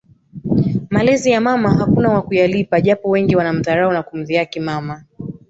Malezi ya mama hakuna wa kuyalipa japo wengi wanamdharau na kumdhihaki mama